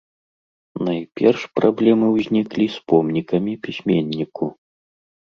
Найперш праблемы ўзніклі з помнікамі пісьменніку.